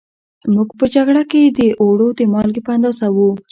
موږ په جگړه کې د اوړو د مالگې په اندازه وو